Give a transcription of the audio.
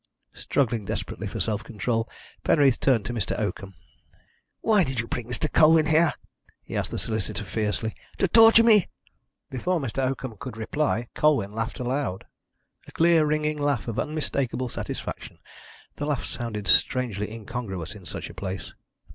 Struggling desperately for self control Penreath turned to Mr. Oakham. "Why did you bring Mr. Colwyn here?" he asked the solicitor fiercely. "To torture me?" Before Mr. Oakham could reply Colwyn laughed aloud. A clear ringing laugh of unmistakable satisfaction. The laugh sounded strangely incongruous in such a place.